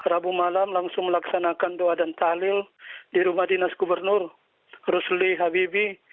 rabu malam langsung melaksanakan doa dan tahlil di rumah dinas gubernur rusli habibi